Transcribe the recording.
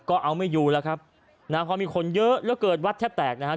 ก็เอาไม่อยู่แล้วครับนะฮะเพราะมีคนเยอะแล้วเกิดวัดแทบแตกนะครับ